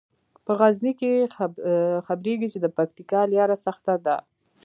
په غزني کې خبریږي چې د پکتیا لیاره سخته ده.